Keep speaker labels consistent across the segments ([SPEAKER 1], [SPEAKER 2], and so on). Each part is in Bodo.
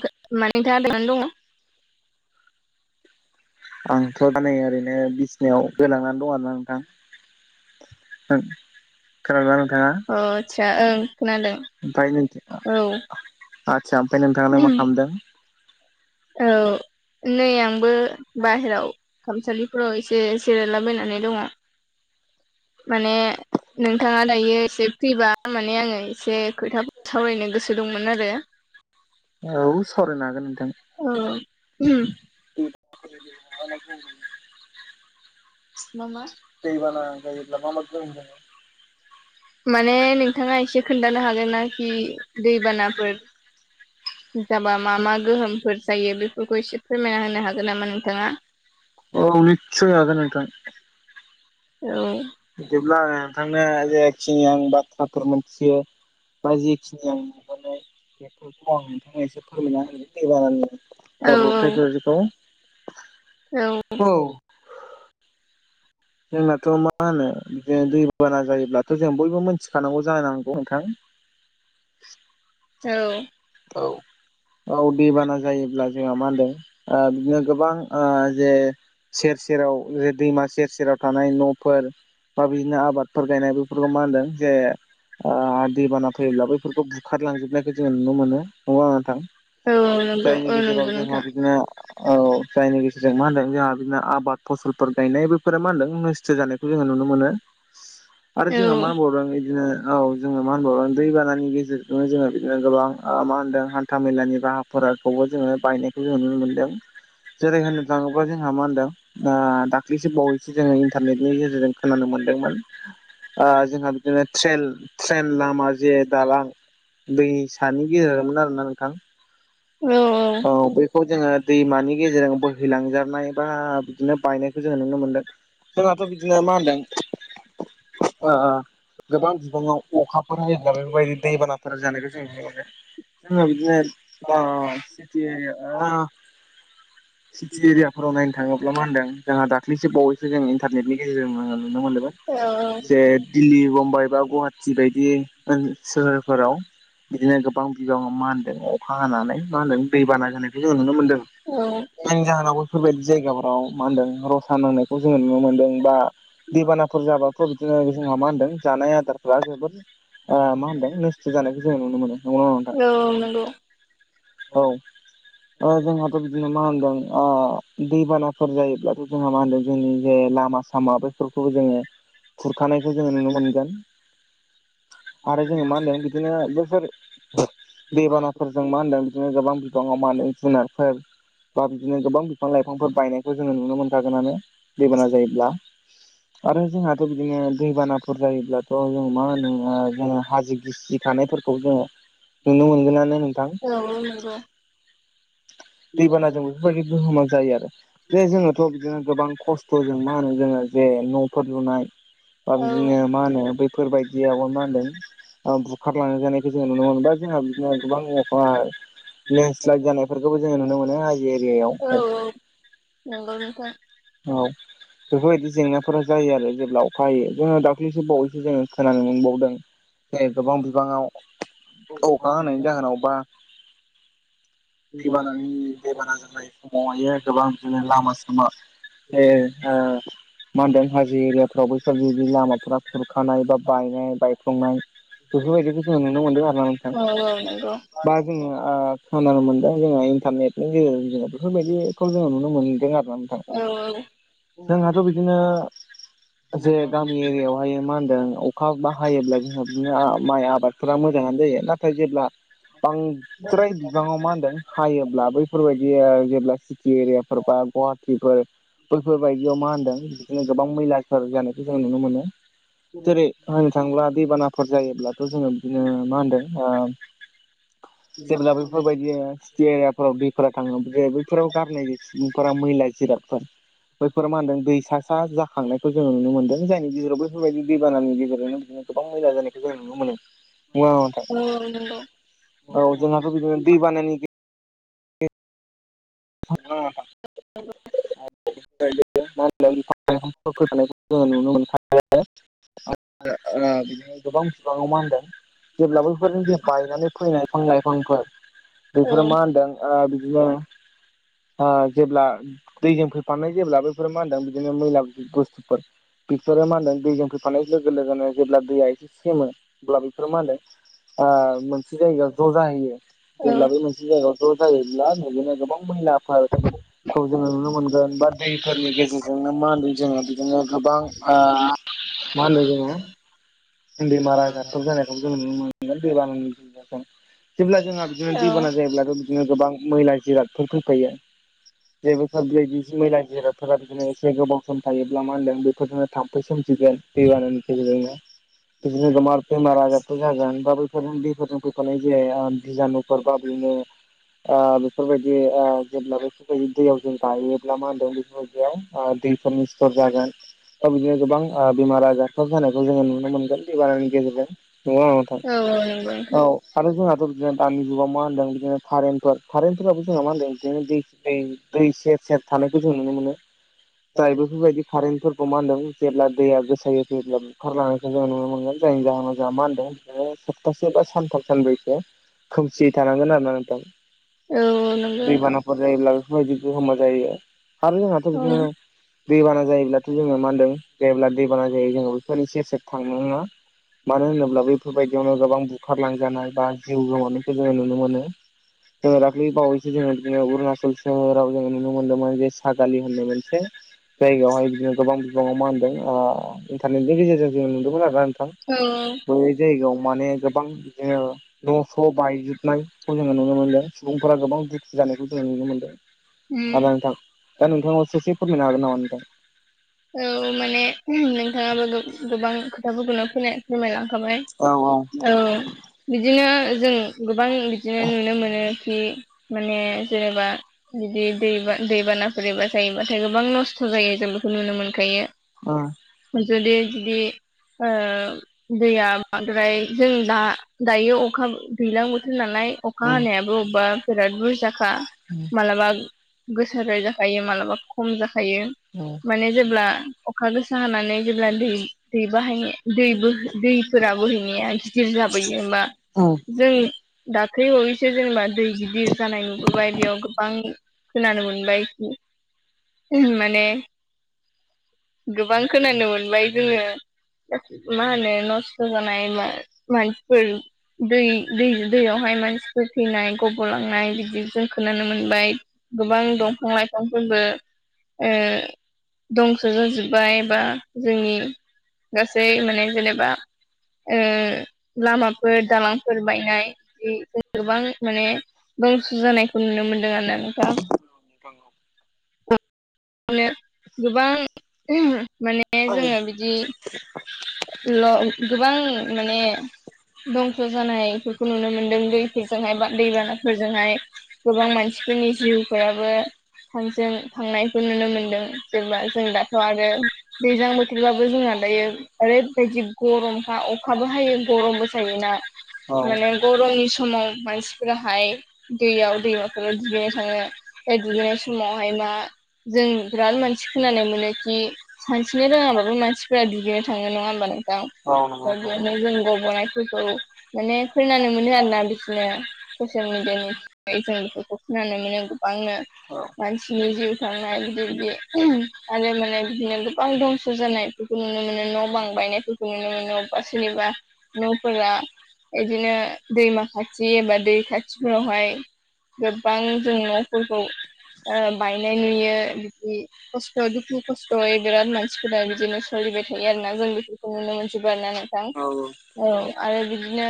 [SPEAKER 1] [unintelligible] माने [unintelligible] नानै दङ
[SPEAKER 2] आंथ' दा नै ओरैनो बिसिनायाव गोलांनानै दं आरो ना नोंथां [unintelligible] नोंथाङा
[SPEAKER 1] अ आतसा ओं खोनादों
[SPEAKER 2] ओमफ्राय नों
[SPEAKER 1] औ
[SPEAKER 2] आदसा ओमफ्राय नोंथांनानै मा खालामदों?
[SPEAKER 1] औ नै आंबो बाहेरायाव खामसालिफोराव एसे जिरायलाबायनानै दङ। माने नोंथाङा दायो एसे फ्रिबा माने आङो एसे खोथा सावरायनो गोसो दंमोन आरो
[SPEAKER 2] औ सावरायनो हागोन नोंथां।
[SPEAKER 1] औ [inaudible]
[SPEAKER 2] [inaudible]
[SPEAKER 1] मा मा
[SPEAKER 2] दैबाना जायोब्ला मा मा [inaudible]
[SPEAKER 1] माने नोंथाङा एसे खोन्थानो हागोननाखि दैबानाफोर जाबा मा मा गोहोमफोर जायो बेफोरखौ एसे फोरमायना होनो हागोन नामा नोंथाङा?
[SPEAKER 2] औ निसय आगान नोंथां।
[SPEAKER 1] औ
[SPEAKER 2] बिदिब्ला नोंथां जेखिनि आं बाथ्राफोर मिथियो बा जेखिनि आं नुबाय फोरखौ आं नोंथांमोन एसे फोरमायनाा होग्रोनि दैबानानि
[SPEAKER 1] औ
[SPEAKER 2] जाब्रबथायफोरखौ
[SPEAKER 1] औ
[SPEAKER 2] जोंनाथ' मा होनो जे दै बाना जायोब्लाथ' जों बयबो मिथिखानांगौ जानांगौ नोंथां
[SPEAKER 1] औ
[SPEAKER 2] औ औ दैबाना जायोब्ला जों मा होनदों बिदिनो गोबां जे सेर सेराव दैमा सेर सेराव थानाय न'फोर बा बिदिनो आबादफोर गायनाय बेफोरखौ मा होनदों जे दैबाना फैयोब्ला बैफोरखौ बुखारलांजोबनायखौ जोङो नुनो मोनो नंगौना नंङा नोंथां
[SPEAKER 1] औ नंगौ
[SPEAKER 2] जायनि
[SPEAKER 1] औ
[SPEAKER 2] गेजेराव
[SPEAKER 1] नंगौ
[SPEAKER 2] जोंहा
[SPEAKER 1] नोंथां
[SPEAKER 2] बिदिनो औ जायनि गेजेरजों मा होनदों जोंहा बिदिनो आबाद फसलफोर गायनाय बफोरा मा होनदों नस्थ' जानायखौ जोङो नुनो मोनो आरो
[SPEAKER 1] औ
[SPEAKER 2] जोंहा मा होनबावदों बिदिनो औ जोङो मा होनबाव दैबानानि गेजेरजोंनो जोङो बिदिनो गोबां मा होनदों हान्था मेलानि राहा फोरखौबो जोङो बायनायखौ जोङो नुनो मोनदों। जेरै होननो थाङोब्ला जोंहा मा होनदों आ दाख्लैसो बावैसो जोङो इन्टारनेटनि गेजेरजों खोनानो मोनदोंमोन। अ जोंहा बिदिनो ट्रेन ट्रेन लामा जे दालां दैसानि गेजेरावनो आरो ना नोंथां।
[SPEAKER 1] औ
[SPEAKER 2] औ बे खौ जोङो दैमानि गेजेरजों बोहैलांजानाय बा बिदिनो बायनायखौ जोङो नुनो मोनदों। जोंहाथ' बिदिनो मा होनदों ओ ओ गोबां बिबाङाव अखाफोर हानानै बेफोरबायदि दैबानाफोर जानायखौ जों नुनो मोनो। जोङो बिदिनो [unintelligible] फोराव नायनो थाङोब्ला मा होन्दों जोंहा दाख्लैसो बावैसो जों इन्टारनेटनि गेजेरजों जों नुनो मोनदोंमोन
[SPEAKER 1] औ
[SPEAKER 2] जे दिल्ली बम्बाइ बा गुवाहाटि बायदि सोहोरफोराव बिदिनो गोबां बिबाङा मा होनदों अखा हानानै मा होनदों दैबाना जानायखौ जों नुनो मोनदों
[SPEAKER 1] औ
[SPEAKER 2] जायनि जाहोनाव बेफोरबायदि जायगाफोराव मा होनदों रसा नांनाय खौ जोङो नुनो मोनदों बा दैबानाफोर जाबाथ' बिदिनो जोंहा मा होनदों जानाय आदारफ्रा जोबोद ओ मा होनदों नोस्थ' जानायखौ जों नुनो मोनो नंगौना नङा
[SPEAKER 1] औ
[SPEAKER 2] नोंथां?
[SPEAKER 1] नंगौ।
[SPEAKER 2] औ ओ जोंहाथ' जोंहा मा होनदों ओ दैबानाफोर जायोब्लाथ' जोंहा मा होनदों जोंनि जे लामा सामाबो बेफोरखौबो जोङो खुरखानायखौ जोङो नुनो मोनगोन‌। आरो जोङो मा होनदों बिदिनो बैफोर दैबानाफोरजों मा होनदों बिदिनो गोबां बिबाङाव मा होनो जुनारफोर बा बिदिनो गोबां बिफां लाइफांफोर बायनायखौ जोङो नुनो मोनखागोनानो। दैबाना जायोब्ला आरो जोंहाथ' जोङो दैबानाफोर जायोब्लाथ' जोङो मा होनो जोङो हाजो गिसि खानायफोरखौ जोङो
[SPEAKER 1] [inaudible]
[SPEAKER 2] नुनो मोनगोनानो नोंथां
[SPEAKER 1] औ नंगौ।
[SPEAKER 2] दैबानाजों बेफोरबायदि गोहोमा जायो आरो जे जोङोथ' बिदिनो गोबां खस थ जों मा होनो जोङो जे न'फोर लुनाय बा
[SPEAKER 1] औ
[SPEAKER 2] बिदिनो मा होनो बै फोरबायदियावबा मा होनदों ओ बुखारलां लांजानायखौ जोङो नुनो मोनबाय जोंहा बिदिनो गोबां अखा लेन्डस्लाइद जानायफोरखौबो जोङो नुनो मोनो हाजो एरियायाव
[SPEAKER 1] औ औ नंगौ नोंथां।
[SPEAKER 2] औ बेफोरबायदि जेंनाफोरा जायो आरो जेब्ला अखा हायो जोङो दाख्लिसो बावैसो जोङो खोनानो मोनबावदों जे गोबां बिबाङाव अखा हानायनि जाहोनाव बा दैबानानि दैबाना जानाय समावहायो गोबां बिदिनो लामा सामा ए ओ मा होनदों हाजो एरियाफ्राव बैफोरबादि लामाफोरा खुरखानाय बा बायनाय बायफ्लंनाय बेफोरबायदिखौ जोङो नुनो मोनदों आरोना नोंथां
[SPEAKER 1] औ औ नंगौ
[SPEAKER 2] बा जोङो ओ खोनानो मोनदों जोङो इन्टारनेटनि गेजेरजों जोङो बेफोरबायदिखौ जोङो नुनो मोनदों आरोना नोंथां।
[SPEAKER 1] औ
[SPEAKER 2] जोंहाथ' बिदिनो जे गामि एरियायावहाय मा होनदों अखा बा हायोब्ला जोंहा बिदिनो माइ आबादफोरा मोजाङानो जायो नाथाय जेब्ला बां फ्राय बिबाङाव मा होनदों हायोब्ला बैफोरबायदिया जेब्ला सि टि एरियाफोर बा गुवाहाटिफोर बैफोरबायदियाव मा होनदों बिदिनो गोबां मैलाफोर जानायखौ जों नुनो मोनो जेरै होननो थाङोब्ला दैबानाफोर जायोब्लाथ' जोङो बिदिनो मा होनदों ओ जेब्ला बेफोरबायदि सिटि एरियाफोराव फोरा थाङो बै जे बैफोराव गारनाय सुबुंफोरा मैला जिरादफोर बैफोर मा होनदों दै सा सा जाखांनायखौ जोङो नुनो मोनदों जायनि गेजेराव बेफोरबायदि दैबानानि गेजेरावनो बिदिनो गोबां मैला जानायखौ जोङो नुनो मोनो। नंगोना नङा
[SPEAKER 1] औ नंगौ
[SPEAKER 2] नोंथां औ जोंहाथ' बिदिनो दैबानानि गेजेरजों हेलौ नोंथां
[SPEAKER 1] [inaudible]
[SPEAKER 2] [unintelligible] फोरखौ जोङो नुनो मोनखा हेलौ आदसा ओ बिदिनो गोबां बिबाङाव मा होनदों [unintelligible] जेब्ला बैफोरनो दे बायनानै फैनाय फिफां लाइफांफोर
[SPEAKER 1] औ
[SPEAKER 2] बेफोरो मा होनदों आ बिदिनो ओ जेब्ला दैजों फैफानाय जेब्ला बैफोर मा होनदों बिदिनो मैला बुस्थुफोर बिसोरो मा होनदों दैजों फैफानाय लोगो लोगोनो जेब्ला दैया एसे सेमो अब्ला बेफोरो मा होनदों ओ मोनसे जायगायाव ज' जाहैयो
[SPEAKER 1] औ
[SPEAKER 2] जेब्ला
[SPEAKER 1] औ
[SPEAKER 2] बे मोनसे जायगायाव ज' जायोब्ला बिदिनो गोबां मैलाफोर खौ जोङो नुनो मोनगोन बा दैफोरनि गेजेरजोंनो मा होनदों जोङो बिदिनो गोबां मा होनो जोङो बेमार आजारफोर' जानायखौबो जोङो नुनो मोनगोन दैबानानि गेजेरजों जेब्ला
[SPEAKER 1] नंगौ
[SPEAKER 2] जोंहा बिदिनो
[SPEAKER 1] नोंथां
[SPEAKER 2] दैबाना जायोब्ला बिदिनो गोबां मैला जिरादफोर फैफायो जेबो बैफोर बायदि मैला जिरादफोरा बिदिनो एसे गोबाव सम थायोब्ला मा होनदों बेफोरजोंनो थाम्फै सोमजिगोन दैबानानि गेजेरजोंनो बिदिनो गोमार बेमार आजारफोर जागोन बा बैफोरनो दैफोरजों फैफानाय जिया बिजानुफोर बा बेनो बेफोरबायदि जेब्ला बेसबायदि दैयाव थायोब्ला मा होनदों बेफोरबायदि बेयाव दै फोरनि सिथर जागोन था बिदिनो गोबां ओ बेमार आजारफ्राब जानायखौ जोङो नुनो मोनगोन दैबानानि गेजेरजों नंगौना नंङा नोंथां
[SPEAKER 1] औ नंगौ
[SPEAKER 2] आरो जोंहाथ बिदिनो दानि जुगाव खारेनफोर मा होनदों दै दै दै सेर सेर थानायखौ जों नुनो मोनो जाय बेफोरबायदि कारेन्टफोरखौ मानदों जेब्ला दैया गोसायो फैब्ला बुंखारलांनायखौ जों नुनो मोनो जायनि जाहोनाव मा होनदों सप्तासे बा सानथाम सानब्रैसो खोमसियै थानांगोन आरो ना नोंथां
[SPEAKER 1] नोंथां
[SPEAKER 2] दैबाना ब्ला बेफोरबायदि गोहोमा जायो आरो जोंहाथ'
[SPEAKER 1] औ
[SPEAKER 2] बिदिनो दैबाना जायोब्लाथ' जोङो मा होनदों जेब्ला दैबाना जायो जोङो बेफोरनि सेर सेर थांनो नङा मानो होनोब्ला बेफोरबायदियावनो गोबां बुखारलांजानाय बा जिउ गोमानायखौ जोंङो नुनो मोनो जोंङो बिदिनो दाखालि बावैसो उरनाचलनि जोंङो नुनो मोन्दोंमोन जे सागालि होननाय मोनसे जायगायावहाय बिदिनो गोबां बिबाङाव मा होनदों इन्टारनेटनि गेजेरजों जों नुदोंमोन आरो ना नोंथां
[SPEAKER 1] औ औ
[SPEAKER 2] जायगायाव माने गोबां बिदिनो न' स' बायजोबनायखौ जोङो नुनो मोन्दों सुबुंफोरा गोबां दुखु जानायखौ जोंङो नुनो मोनदों
[SPEAKER 1] उम
[SPEAKER 2] दा नोंथां दा नोंथांया ससे फोरमायनो हागोन नामा नोंथां
[SPEAKER 1] औ माने नोंथाङाबो गोबां खोथाफोरखौनो फैनो फोरमायलांखाबाय औ बिदिनो जों गोबां बिदिनो
[SPEAKER 2] औ
[SPEAKER 1] नुनो मोनो खि माने जेनेबा बिदि दै बा दैबानाफोर एबा जायोबाथाय गोबां नस्थ' जायो जों बेखौ नुनो मोनखायो
[SPEAKER 2] अ
[SPEAKER 1] जुदि जुदि ओ दैया बाद्राय जों दा दायो अखा दैज्लां बोथोर नालाय अखा हानायाबो अबेबा बिराद बुरजाखा माब्लाबा गोसाद्राय जाखायो माबलाबा खम जाखायो
[SPEAKER 2] औ
[SPEAKER 1] माने जेब्ला अखा गोसा हानानै जेब्ला दै दै बाहायनो दै बो दैफोरा बोहैनाया गिदिर जाबोयो मा
[SPEAKER 2] नोंथां
[SPEAKER 1] जों दाख्लै हैसो जेनेबा दै गिदिर जानाय नुबोबाय बेयाव गोबां खोनानो मोनबायखि माने गोबां खोनानो मोनबाय जोङो मा होनो नस्थ' जानाय मा मानसिफोर दै दै दैयावहाय मानसिफोर थैनाय गब'लांनाय बिदिजों खोनानो मोनबाय गोबां दंफां लाइफांफोरबो दंस' जाजोब्बाय बा जोंनि गासै माने जेनेबा ओ लामाफोर दालांफोर बायनाय बिदि गोबां माने दंस जानायखौ नुनो मोनदों आरोना नोंथां
[SPEAKER 2] [unintelligible]
[SPEAKER 1] नो गोबां माने जोंङो बिदि ल गोबां माने दंस' जानाय इफोरखौ नुनो मोनदों दैफोरजोंहाय बा दैबानाफोरजोंहाय गोबां मानसिफोरनि जिउफोराबो थांजों थांनाय नुनो मोनदों जेनेबा जों दाथ' आरो दैज्लां बोथोरबाबो जोंहा दायो ओरैबायदि गरमखा अखाबो हायो गरमबो जायोना माने गरमनि समाव मानसिफोराहाय दैयाव दैमाफोराव दुगैनो थांङो बे दुगैनाय समावहाय मा जों बिराद मानसि खोनानाय मोनोखि सानस्रिनो रोङाबाबो मानसिफोरा दुगैनो थांङो नङा होमब्ला नों औ बेयावनो जों गब'नायफोरखौ माने खोनानो मोनो आरोना बिसोरनो ससियेल मिडियानि जों बेफोरखौ खोनानो मोनो गोबांनो मानसिनि जिउ थांनाय बिदि बिदि आरो माने बिदिनो गोबां दंस' जानाय इफोरखौ नुनो मोनो न'-बां बायनायफोरखौ नुनो मोनो अबबा सोरनिबा न'फोरा इदिनो दैमा खाथि एबा दै खाथिफोरावहाय गोबां जों न'फोरखौ ओ बायनाय नुयो बिदि खस्थ' दुखु खस्थ'यै बिराद मानसिफोरा बिदिनो सोलिबाय थायो आरो ना जों खौ नुनो मोनजोबो आरोना नोंथां औ आरो बिदिनो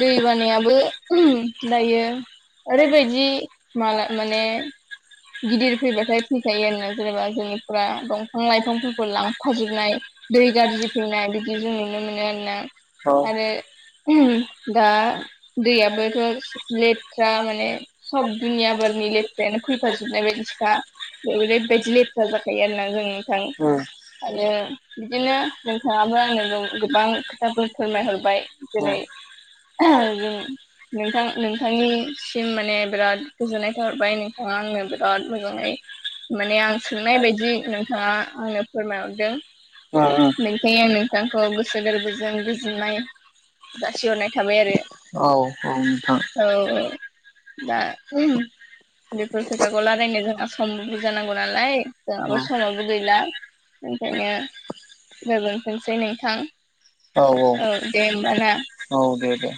[SPEAKER 1] दै बानायाबो दायो ओरैबायदि माला माने गिदिर फैबाथाय फैखायो आरोना जेनबा जोंनिफोरा दंफां लाइफांफोरखौ लांफाजोबनाय। दै गाज्रि फैनाय बिदि जों नुनो मोनो आरोना
[SPEAKER 2] औ
[SPEAKER 1] आरो [inaudible] दा
[SPEAKER 2] उम
[SPEAKER 1] दैयाबोथ' लेथ्रा माने सब दुनिया बारनि लेथ्रायानो फै फाजोबनाय बायदि सोखा बेव ओरैबायदि लेथ्रा जाखायो आरो ना जों नोंथां। आरो बिदिनो नोंथाङाबो आंनो गोबां खोथाफोर फोरमायहरबाय। जेरै [inaudible] जों नोंथां नोंथांनिसिम माने बिराद गोजोननाय थाबाय नो ओ आंनो बिराद मोजाङै माने आं सोंनाय बायदि नोंथाङा आंनो फोरमायहरदों। नंखायनो आं नोंथांखौ गोसो गोरबोजों गोजोननाय जासिहरनाय थाबाय आरो।
[SPEAKER 2] औ औ नोंथां।
[SPEAKER 1] औ औ दा [inaudible] बेफोर खोथाखौ लारायनो जोंहा समबो बुरजा नांगौ नालाय जोंहाबो समाबो गैला। ओंखायनो गोजोनथोंसै नोंथां। औ दे होमबा ना।
[SPEAKER 2] औ दे दे।